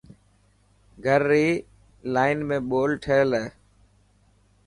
گهر ري لان ۾ ٻول ٺهيل هي.